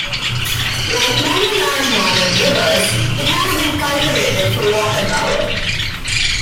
Like many large northern rivers, it has been cultivated for water power.